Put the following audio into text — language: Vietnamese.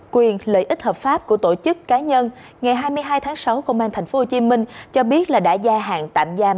quyền lợi ích hợp pháp của tổ chức cá nhân ngày hai mươi hai tháng sáu công an tp hcm cho biết là đã gia hạn tạm giam